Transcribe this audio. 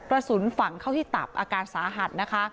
สุนฝังเข้าที่ตับอาการสาหัสนะคะ